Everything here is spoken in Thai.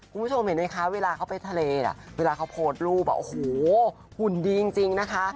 คุณผู้ชมเห็นไหมคะเวลาเขาไปทะเลเวลาเขาโพสต์รูปอ่ะโอ้โหหุ่นดีจริงนะคะ